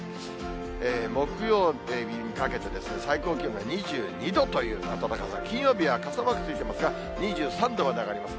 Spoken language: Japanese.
木曜日にかけて、最高気温が２２度という暖かさ、金曜日は傘マークついてますが、２３度まで上がります。